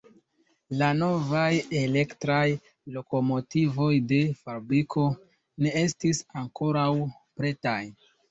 La novaj elektraj lokomotivoj de fabriko ne estis ankoraŭ pretaj.